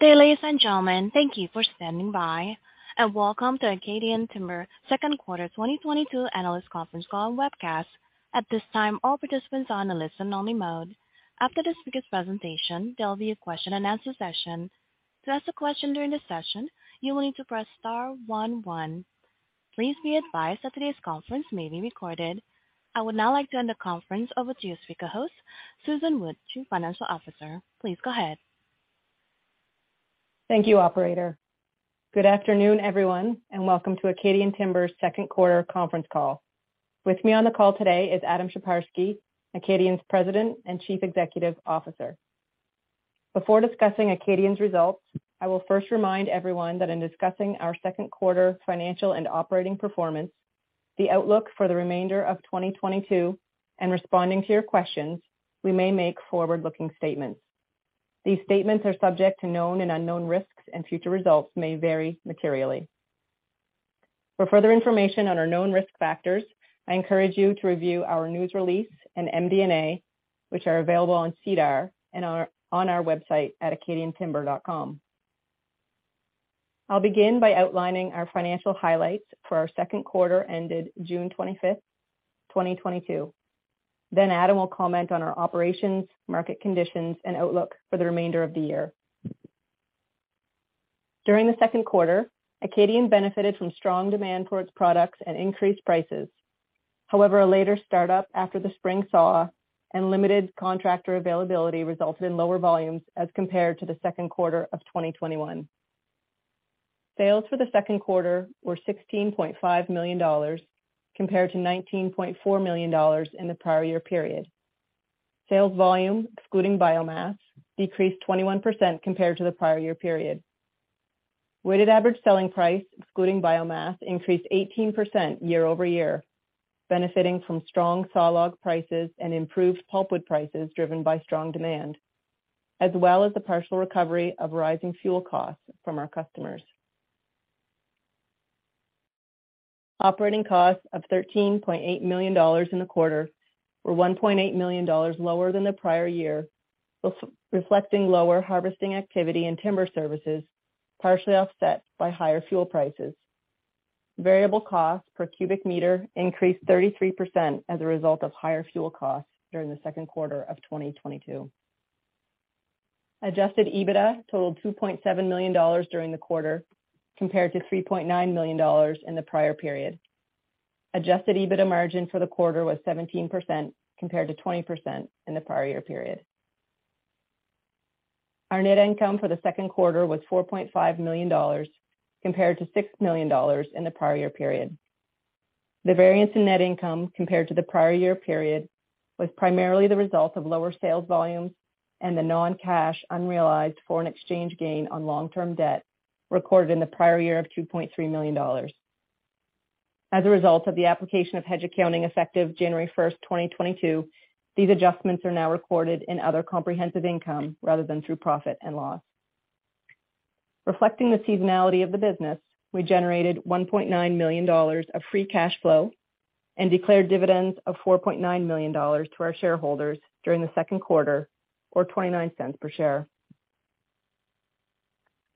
Good day, ladies and gentlemen. Thank you for standing by and welcome to Acadian Timber second quarter 2022 analyst conference call and webcast. At this time, all participants are on a listen-only mode. After the speaker's presentation, there will be a question-and-answer session. To ask a question during the session, you will need to press star one one. Please be advised that today's conference may be recorded. I would now like to hand the conference over to your speaker host, Susan Wood, Chief Financial Officer. Please go ahead. Thank you, operator. Good afternoon, everyone, and welcome to Acadian Timber's second quarter conference call. With me on the call today is Adam Sheparski, Acadian's President and Chief Executive Officer. Before discussing Acadian's results, I will first remind everyone that in discussing our second quarter financial and operating performance, the outlook for the remainder of 2022, and responding to your questions, we may make forward-looking statements. These statements are subject to known and unknown risks, and future results may vary materially. For further information on our known risk factors, I encourage you to review our news release and MD&A, which are available on SEDAR and on our website at acadiantimber.com. I'll begin by outlining our financial highlights for our second quarter ended June 25th, 2022. Then Adam will comment on our operations, market conditions, and outlook for the remainder of the year. During the second quarter, Acadian benefited from strong demand for its products at increased prices. However, a later start-up after the spring thaw and limited contractor availability resulted in lower volumes as compared to the second quarter of 2021. Sales for the second quarter were 16.5 million dollars compared to 19.4 million dollars in the prior year period. Sales volume, excluding biomass, decreased 21% compared to the prior year period. Weighted average selling price, excluding biomass, increased 18% year-over-year, benefiting from strong sawlog prices and improved pulpwood prices driven by strong demand, as well as the partial recovery of rising fuel costs from our customers. Operating costs of 13.8 million dollars in the quarter were 1.8 million dollars lower than the prior year, reflecting lower harvesting activity in timber services, partially offset by higher fuel prices. Variable costs per cubic meter increased 33% as a result of higher fuel costs during the second quarter of 2022. Adjusted EBITDA totaled 2.7 million dollars during the quarter, compared to 3.9 million dollars in the prior period. Adjusted EBITDA margin for the quarter was 17%, compared to 20% in the prior year period. Our net income for the second quarter was 4.5 million dollars compared to 6 million dollars in the prior year period. The variance in net income compared to the prior year period was primarily the result of lower sales volumes and the non-cash unrealized foreign exchange gain on long-term debt recorded in the prior year of 2.3 million dollars. As a result of the application of hedge accounting effective January 1st, 2022, these adjustments are now recorded in other comprehensive income rather than through profit and loss. Reflecting the seasonality of the business, we generated 1.9 million dollars of free cash flow and declared dividends of 4.9 million dollars to our shareholders during the second quarter, or 0.29 per share.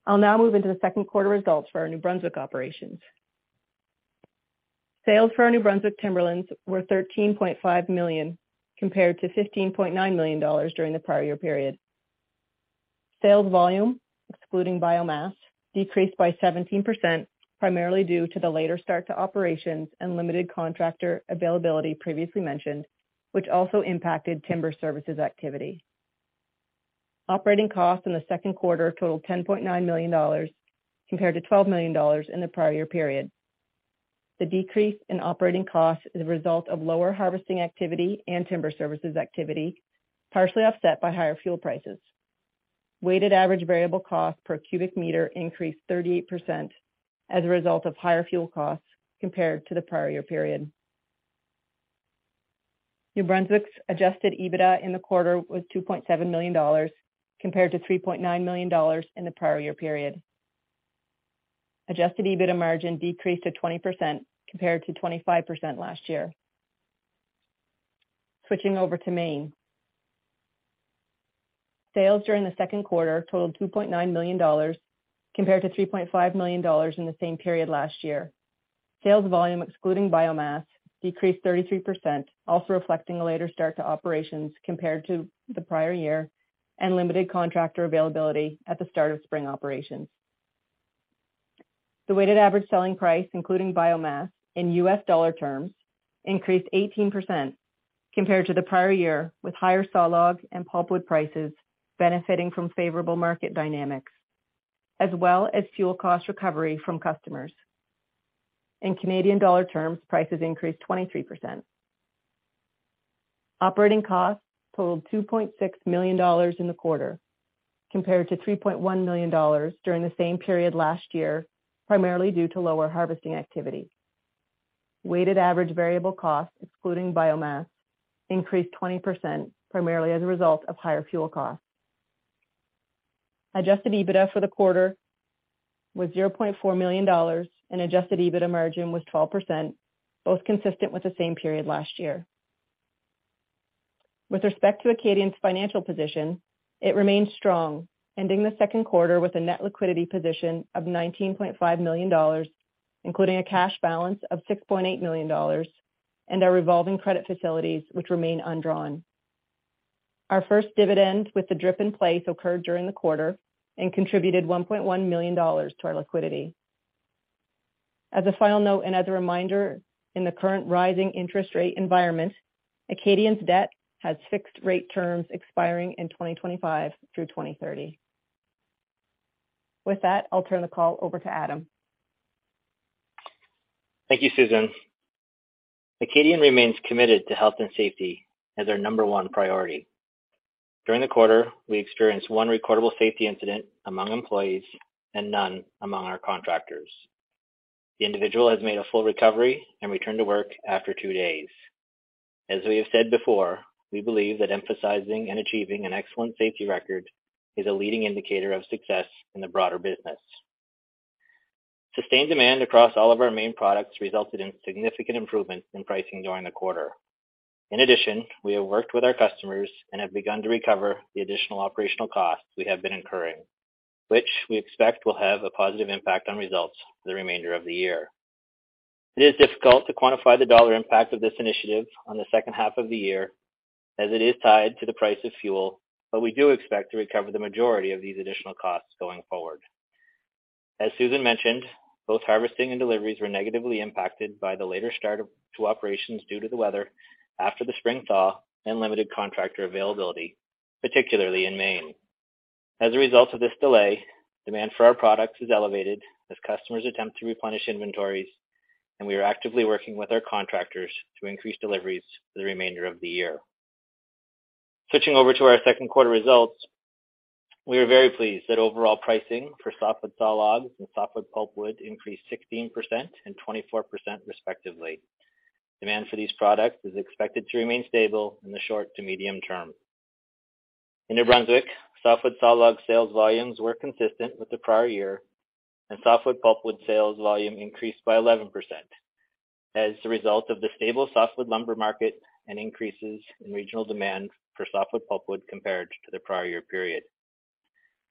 I'll now move into the second quarter results for our New Brunswick operations. Sales for our New Brunswick timberlands were 13.5 million compared to 15.9 million dollars during the prior year period. Sales volume, excluding biomass, decreased by 17%, primarily due to the later start to operations and limited contractor availability previously mentioned, which also impacted timber services activity. Operating costs in the second quarter totaled 10.9 million dollars compared to 12 million dollars in the prior year period. The decrease in operating costs is a result of lower harvesting activity and timber services activity, partially offset by higher fuel prices. Weighted average variable cost per cubic meter increased 38% as a result of higher fuel costs compared to the prior year period. New Brunswick's adjusted EBITDA in the quarter was 2.7 million dollars compared to 3.9 million dollars in the prior year period. Adjusted EBITDA margin decreased to 20% compared to 25% last year. Switching over to Maine. Sales during the second quarter totaled 2.9 million dollars compared to 3.5 million dollars in the same period last year. Sales volume, excluding biomass, decreased 33%, also reflecting a later start to operations compared to the prior year and limited contractor availability at the start of spring operations. The weighted average selling price, including biomass, in US dollar terms, increased 18% compared to the prior year, with higher sawlog and pulpwood prices benefiting from favorable market dynamics as well as fuel cost recovery from customers. In Canadian dollar terms, prices increased 23%. Operating costs totaled 2.6 million dollars in the quarter compared to 3.1 million dollars during the same period last year, primarily due to lower harvesting activity. Weighted average variable costs, excluding biomass, increased 20%, primarily as a result of higher fuel costs. Adjusted EBITDA for the quarter was 0.4 million dollars, and adjusted EBITDA margin was 12%, both consistent with the same period last year. With respect to Acadian's financial position, it remains strong, ending the second quarter with a net liquidity position of 19.5 million dollars, including a cash balance of 6.8 million dollars and our revolving credit facilities, which remain undrawn. Our first dividend with the DRIP in place occurred during the quarter and contributed 1.1 million dollars to our liquidity. As a final note and as a reminder, in the current rising interest rate environment, Acadian's debt has fixed rate terms expiring in 2025 through 2030. With that, I'll turn the call over to Adam. Thank you, Susan. Acadian remains committed to health and safety as our number one priority. During the quarter, we experienced one recordable safety incident among employees and none among our contractors. The individual has made a full recovery and returned to work after two days. As we have said before, we believe that emphasizing and achieving an excellent safety record is a leading indicator of success in the broader business. Sustained demand across all of our main products resulted in significant improvements in pricing during the quarter. In addition, we have worked with our customers and have begun to recover the additional operational costs we have been incurring, which we expect will have a positive impact on results for the remainder of the year. It is difficult to quantify the dollar impact of this initiative on the second half of the year as it is tied to the price of fuel, but we do expect to recover the majority of these additional costs going forward. As Susan mentioned, both harvesting and deliveries were negatively impacted by the later start to operations due to the weather after the spring thaw and limited contractor availability, particularly in Maine. As a result of this delay, demand for our products is elevated as customers attempt to replenish inventories, and we are actively working with our contractors to increase deliveries for the remainder of the year. Switching over to our second quarter results, we are very pleased that overall pricing for softwood sawlogs and softwood pulpwood increased 16% and 24% respectively. Demand for these products is expected to remain stable in the short to medium-term. In New Brunswick, softwood sawlog sales volumes were consistent with the prior year, and softwood pulpwood sales volume increased by 11% as a result of the stable softwood lumber market and increases in regional demand for softwood pulpwood compared to the prior year period.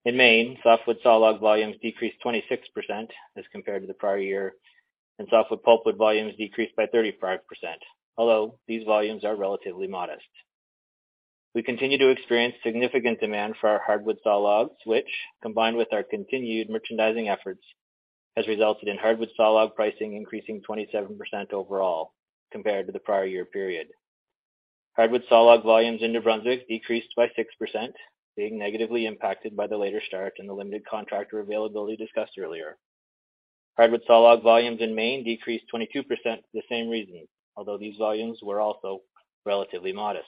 In Maine, softwood sawlog volumes decreased 26% as compared to the prior year, and softwood pulpwood volumes decreased by 35%, although these volumes are relatively modest. We continue to experience significant demand for our hardwood sawlogs, which, combined with our continued merchandising efforts, has resulted in hardwood sawlog pricing increasing 27% overall compared to the prior year period. Hardwood sawlog volumes in New Brunswick decreased by 6%, being negatively impacted by the later start and the limited contractor availability discussed earlier. Hardwood sawlog volumes in Maine decreased 22% for the same reason, although these volumes were also relatively modest.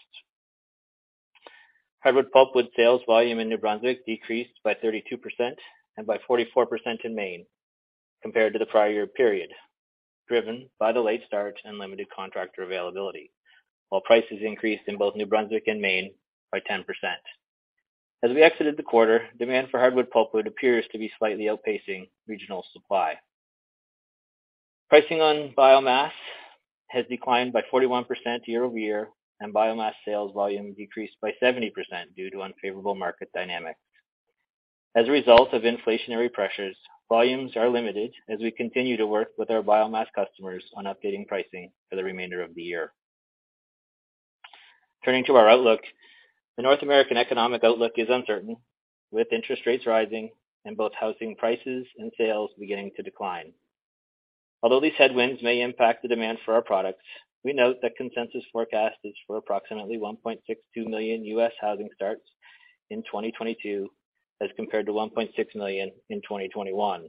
Hardwood pulpwood sales volume in New Brunswick decreased by 32% and by 44% in Maine compared to the prior year period, driven by the late start and limited contractor availability. While prices increased in both New Brunswick and Maine by 10%. As we exited the quarter, demand for hardwood pulpwood appears to be slightly outpacing regional supply. Pricing on biomass has declined by 41% year-over-year, and biomass sales volume decreased by 70% due to unfavorable market dynamics. As a result of inflationary pressures, volumes are limited as we continue to work with our biomass customers on updating pricing for the remainder of the year. Turning to our outlook, the North American economic outlook is uncertain, with interest rates rising and both housing prices and sales beginning to decline. Although these headwinds may impact the demand for our products, we note that consensus forecast is for approximately 1.62 million U.S. housing starts in 2022, as compared to 1.6 million in 2021.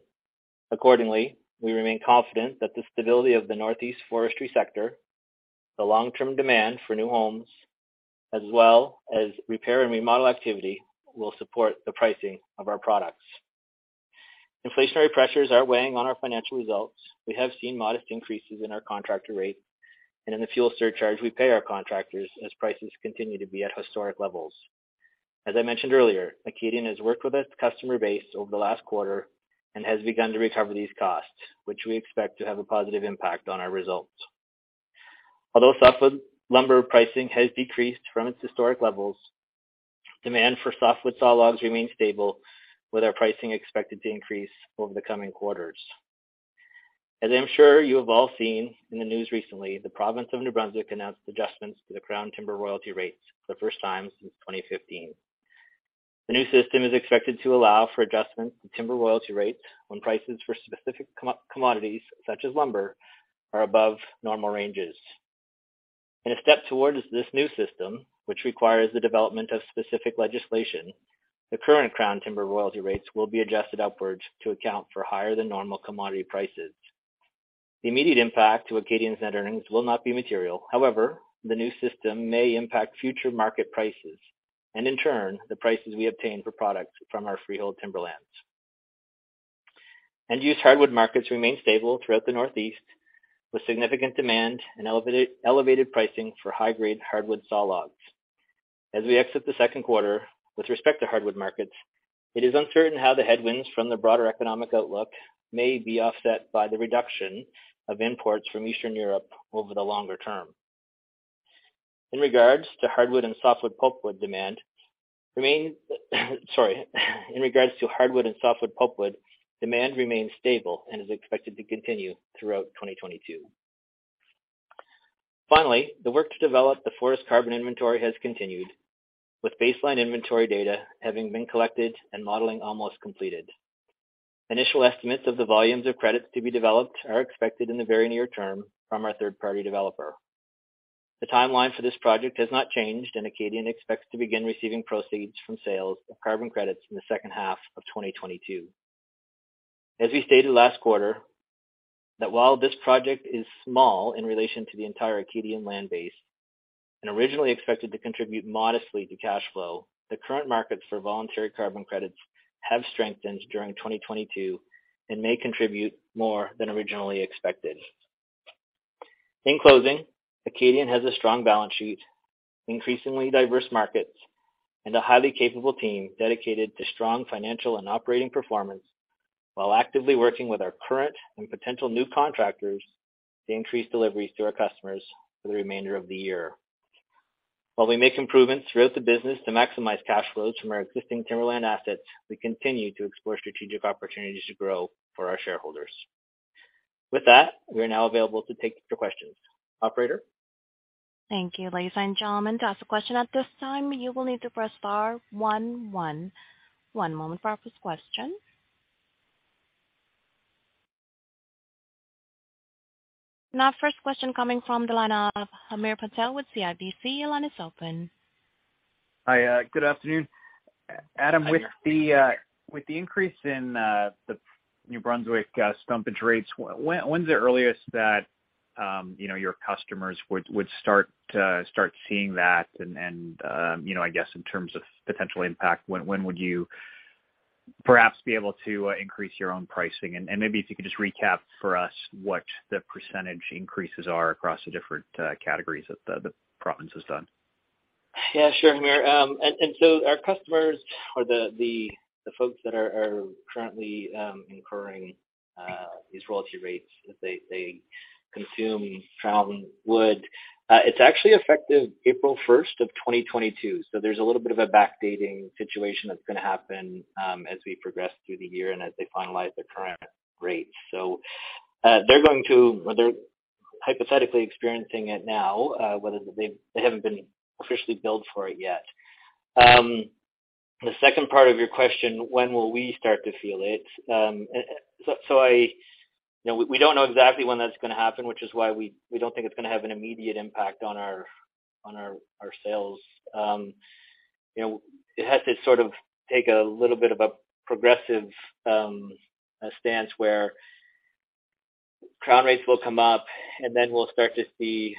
Accordingly, we remain confident that the stability of the Northeast forestry sector, the long-term demand for new homes, as well as repair and remodel activity, will support the pricing of our products. Inflationary pressures are weighing on our financial results. We have seen modest increases in our contractor rate and in the fuel surcharge we pay our contractors as prices continue to be at historic levels. As I mentioned earlier, Acadian has worked with its customer base over the last quarter and has begun to recover these costs, which we expect to have a positive impact on our results. Although softwood lumber pricing has decreased from its historic levels, demand for softwood sawlogs remains stable, with our pricing expected to increase over the coming quarters. As I am sure you have all seen in the news recently, the province of New Brunswick announced adjustments to the Crown timber royalty rates for the first time since 2015. The new system is expected to allow for adjustment to timber royalty rates when prices for specific commodities, such as lumber, are above normal ranges. In a step towards this new system, which requires the development of specific legislation, the current Crown timber royalty rates will be adjusted upwards to account for higher than normal commodity prices. The immediate impact to Acadian's net earnings will not be material. However, the new system may impact future market prices and, in turn, the prices we obtain for products from our freehold timberlands. End-use hardwood markets remain stable throughout the Northeast, with significant demand and elevated pricing for high-grade hardwood sawlogs. It is uncertain how the headwinds from the broader economic outlook may be offset by the reduction of imports from Eastern Europe over the longer-term. In regards to hardwood and softwood pulpwood, demand remains stable and is expected to continue throughout 2022. Finally, the work to develop the forest carbon inventory has continued, with baseline inventory data having been collected and modeling almost completed. Initial estimates of the volumes of credits to be developed are expected in the very near-term from our third-party developer. The timeline for this project has not changed, and Acadian expects to begin receiving proceeds from sales of carbon credits in the second half of 2022. As we stated last quarter that while this project is small in relation to the entire Acadian land base and originally expected to contribute modestly to cash flow, the current markets for voluntary carbon credits have strengthened during 2022 and may contribute more than originally expected. In closing, Acadian has a strong balance sheet, increasingly diverse markets, and a highly capable team dedicated to strong financial and operating performance while actively working with our current and potential new contractors to increase deliveries to our customers for the remainder of the year. While we make improvements throughout the business to maximize cash flows from our existing timberland assets, we continue to explore strategic opportunities to grow for our shareholders. With that, we are now available to take your questions. Operator? Thank you. Ladies and gentlemen, to ask a question at this time, you will need to press star one one. One moment for our first question. Now first question coming from the line of Hamir Patel with CIBC. Your line is open. Hi. Good afternoon. Hi, Hamir. With the increase in the New Brunswick stumpage rates, when's the earliest that you know your customers would start seeing that, and you know, I guess in terms of potential impact, when would you perhaps be able to increase your own pricing? Maybe if you could just recap for us what the percentage increases are across the different categories that the province has done. Yeah, sure, Hamir. Our customers or the folks that are currently incurring these royalty rates as they consume Crown wood. It's actually effective April 1st of 2022, so there's a little bit of a backdating situation that's gonna happen as we progress through the year and as they finalize their current rates. They're hypothetically experiencing it now, whether they haven't been officially billed for it yet. The second part of your question, when will we start to feel it? You know, we don't know exactly when that's gonna happen, which is why we don't think it's gonna have an immediate impact on our sales. You know, it has to sort of take a little bit of a progressive stance where Crown rates will come up and then we'll start to see,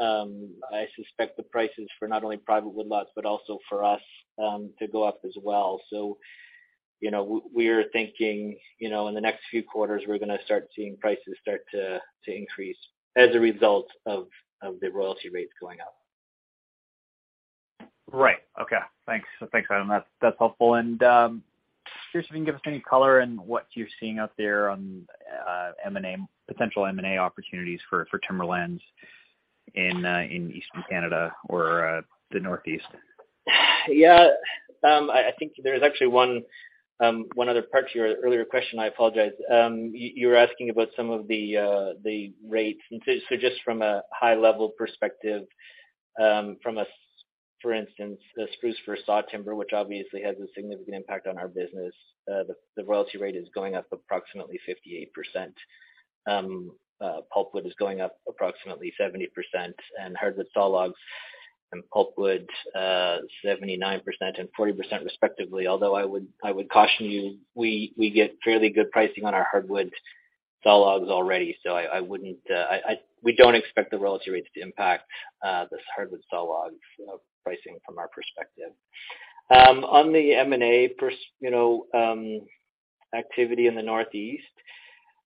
I suspect the prices for not only private woodlots, but also for us to go up as well. You know, we are thinking, you know, in the next few quarters we're gonna start seeing prices start to increase as a result of the royalty rates going up. Right. Okay. Thanks, Adam. That's helpful. Curious if you can give us any color in what you're seeing out there on M&A, potential M&A opportunities for timberlands in Eastern Canada or the Northeast? Yeah. I think there's actually one other part to your earlier question. I apologize. You were asking about some of the rates. Just from a high level perspective, for instance, the spruce-fir sawlogs, which obviously has a significant impact on our business, the royalty rate is going up approximately 58%. Pulpwood is going up approximately 70%, and hardwood sawlogs and pulpwood, 79% and 40% respectively, although I would caution you, we get fairly good pricing on our hardwood sawlogs already, so I wouldn't. We don't expect the royalty rates to impact the hardwood sawlogs pricing from our perspective. On the M&A activity in the Northeast,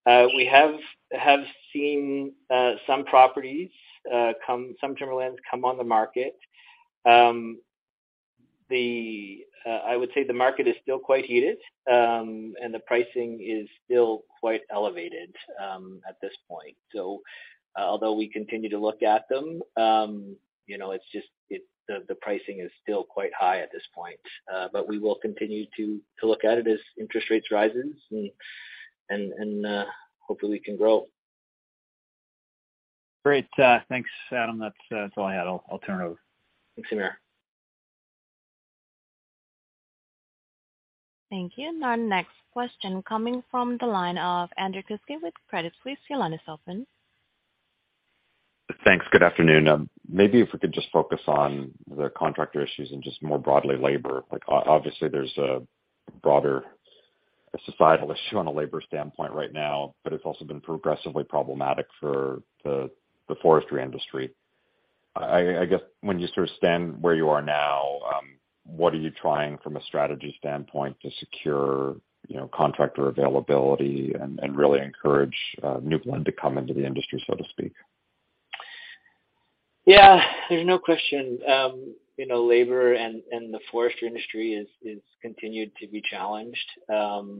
we have seen some properties, some timberlands come on the market. I would say the market is still quite heated, and the pricing is still quite elevated at this point. Although we continue to look at them, you know, it's just the pricing is still quite high at this point. We will continue to look at it as interest rates rises and hopefully we can grow. Great. Thanks, Adam. That's all I had. I'll turn it over. Thanks, Hamir. Thank you. Our next question coming from the line of Andrew Kuske with Credit Suisse. Your line is open. Thanks. Good afternoon. Maybe if we could just focus on the contractor issues and just more broadly labor. Like, obviously there's a broader societal issue on a labor standpoint right now, but it's also been progressively problematic for the forestry industry. I guess when you sort of stand where you are now, what are you trying from a strategy standpoint to secure, you know, contractor availability and really encourage new blood to come into the industry, so to speak? Yeah, there's no question. You know, labor and the forestry industry is continued to be challenged. You know,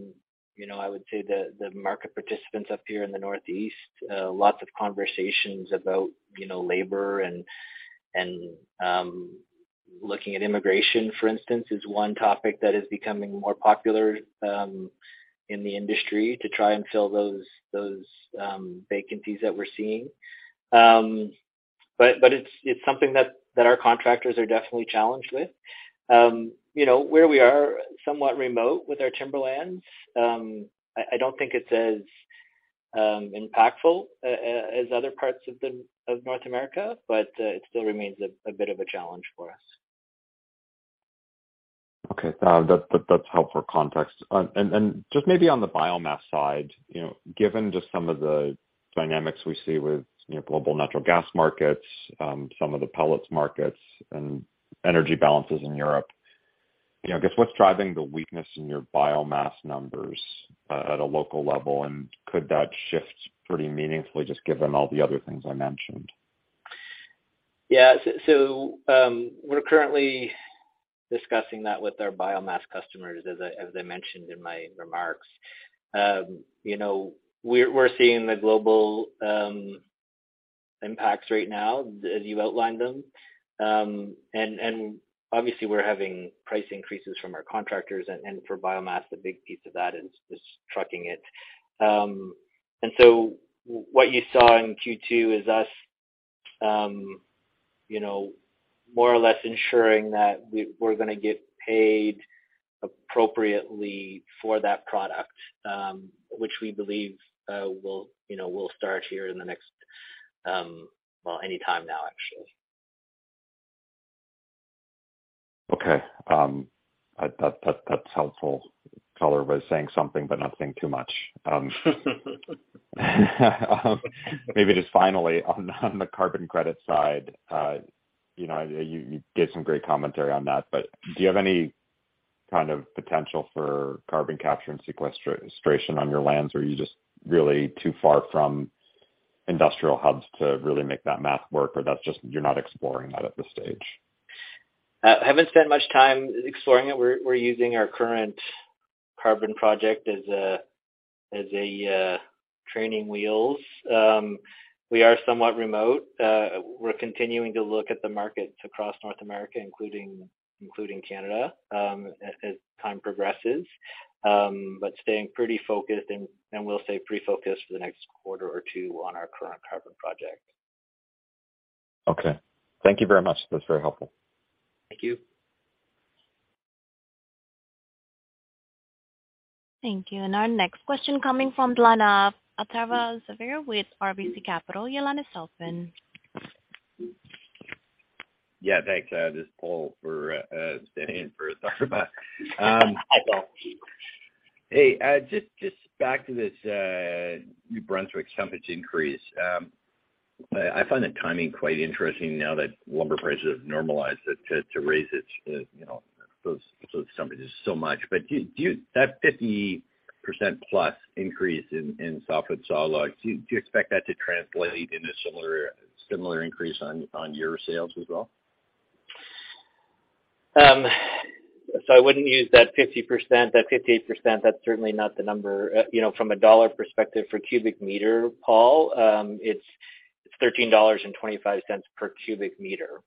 I would say the market participants up here in the Northeast, lots of conversations about, you know, labor and looking at immigration, for instance, is one topic that is becoming more popular in the industry to try and fill those vacancies that we're seeing. It's something that our contractors are definitely challenged with. You know, where we are somewhat remote with our timberlands, I don't think it's as impactful as other parts of North America, but it still remains a bit of a challenge for us. Okay. That's helpful context. Just maybe on the biomass side, you know, given just some of the dynamics we see with, you know, global natural gas markets, some of the pellets markets and energy balances in Europe, you know, I guess what's driving the weakness in your biomass numbers at a local level, and could that shift pretty meaningfully just given all the other things I mentioned? We're currently discussing that with our biomass customers as I mentioned in my remarks. You know, we're seeing the global impacts right now as you outlined them. Obviously we're having price increases from our contractors and for biomass, the big piece of that is trucking it. What you saw in Q2 is us, you know, more or less ensuring that we're gonna get paid appropriately for that product, which we believe will, you know, start here anytime now, actually. Okay. That's helpful. Color by saying something but not saying too much. Maybe just finally on the carbon credit side, you know, you gave some great commentary on that, but do you have any kind of potential for carbon capture and sequestration on your lands, or are you just really too far from industrial hubs to really make that math work, or that's just you're not exploring that at this stage? Haven't spent much time exploring it. We're using our current carbon project as a training wheels. We are somewhat remote. We're continuing to look at the markets across North America, including Canada, as time progresses. Staying pretty focused and we'll stay pretty focused for the next quarter or two on our current carbon project. Okay. Thank you very much. That's very helpful. Thank you. Thank you. Our next question coming from El-Darva Rahmani with RBC Capital Markets. Your line is open. Yeah, thanks. This is Paul, standing in for El-Darva Rahmani. Hi, Paul. Hey, just back to this New Brunswick stumpage increase. I find the timing quite interesting now that lumber prices have normalized to raise it, you know, those stumpages so much. That 50%+ increase in softwood sawlogs, do you expect that to translate into similar increase on your sales as well? I wouldn't use that 50%. That 58%, that's certainly not the number. You know, from a dollar perspective for cubic meter, Paul, it's 13.25 dollars per cubic meter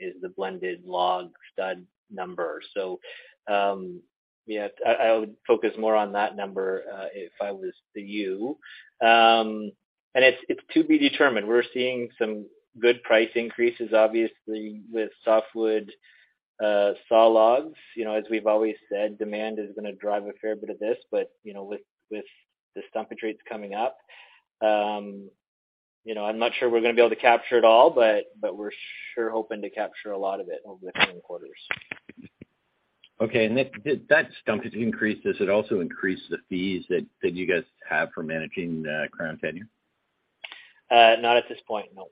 is the blended log stud number. Yeah, I would focus more on that number if I was you. It's to be determined. We're seeing some good price increases, obviously with softwood sawlogs. You know, as we've always said, demand is gonna drive a fair bit of this. You know, with the stumpage rates coming up, you know, I'm not sure we're gonna be able to capture it all, but we're sure hoping to capture a lot of it over the coming quarters. Okay. Did that stumpage increase, does it also increase the fees that you guys have for managing the Crown tenure? Not at this point, no.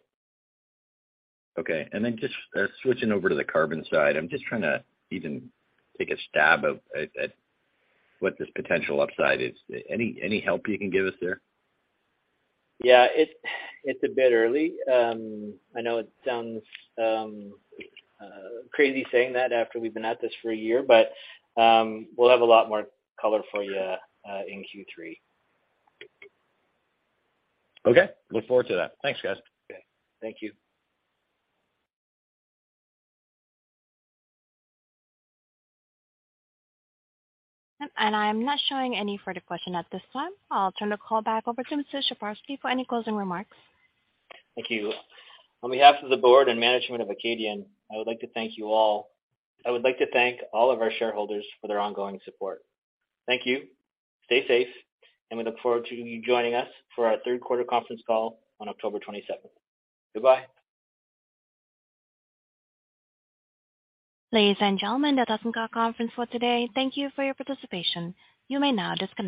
Okay. Switching over to the carbon side. I'm just trying to even take a stab at what this potential upside is. Any help you can give us there? Yeah. It's a bit early. I know it sounds crazy saying that after we've been at this for a year, but we'll have a lot more color for you in Q3. Okay. Look forward to that. Thanks, guys. Okay. Thank you. I'm not showing any further question at this time. I'll turn the call back over to Mr. Sheparski for any closing remarks. Thank you. On behalf of the board and management of Acadian Timber, I would like to thank you all. I would like to thank all of our shareholders for their ongoing support. Thank you. Stay safe, and we look forward to you joining us for our third quarter conference call on October 27th. Goodbye. Ladies and gentlemen, that does end our conference for today. Thank you for your participation. You may now disconnect.